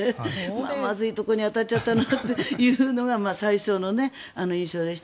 まずいところに当たっちゃったなっていうのが最初の印象でした。